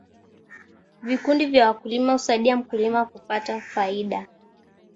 vikundi vya wakulima husaidia mkulima kupata faida